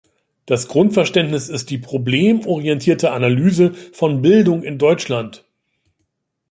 Das Grundverständnis ist die problemorientierte Analyse von Bildung in Deutschland.